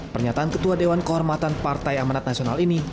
pernyataan ketua dewan kehormatan partai amanat nasional ini